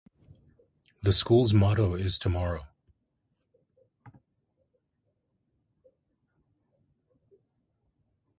The school's motto is To tomorrow.